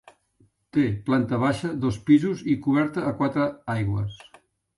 Té planta baixa, dos pisos i coberta a quatre aigües.